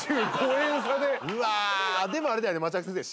でもあれだよね？